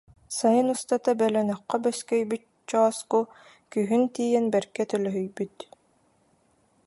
Сайын устата бөлөнөххө бөскөйбүт чооску күһүн тиийэн бэркэ төлөһүйбүт